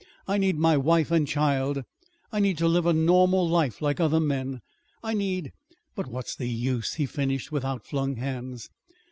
I need my wife and child. I need to live a normal life like other men. I need But what's the use?" he finished, with outflung hands.